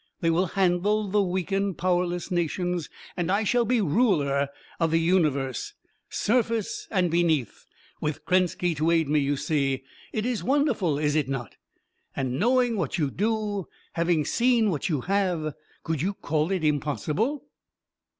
They will handle the weakened, powerless nations, and I shall be ruler of the universe, surface and beneath, with Krenski to aid me, you see. It it wonderful, is it not? And, knowing what you do, having seen what you have, could you call it impossible?"